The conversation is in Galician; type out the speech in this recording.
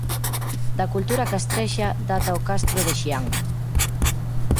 Da cultura castrexa data o castro de Xián.